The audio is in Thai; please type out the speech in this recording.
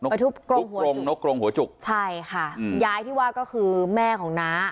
ทุบกรงทุบหัวกรงนกกรงหัวจุกใช่ค่ะยายที่ว่าก็คือแม่ของน้า